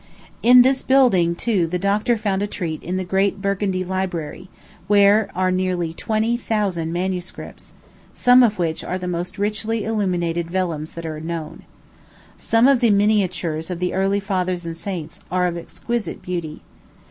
In this building, too, the doctor found a treat in the great Burgundy Library, where are nearly twenty thousand MSS., some of which are the most richly illuminated vellums that are known. Some of the miniatures of the early fathers and saints are of exquisite beauty.